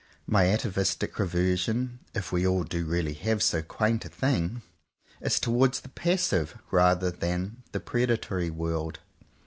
My atavistic reversion, if we all do really have so quaint a thing, is towards the passive, rather than the predatory world.